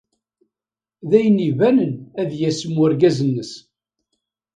D ayen ibanen ad yasem urgaz-nnes.